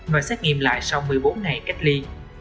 và xét nghiệm lại sau một mươi bốn ngày cách ly